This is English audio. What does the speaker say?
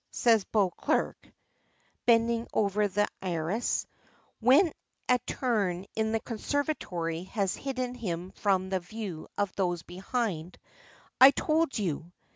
says Beauclerk, bending over the heiress, when a turn in the conservatory has hidden him from the view of those behind. "I told you!"